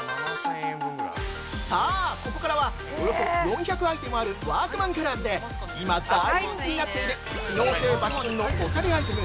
さあ、ここからはおよそ４００アイテムあるワークマンカラーズで今大人気になっている、機能性抜群のおしゃれアイテム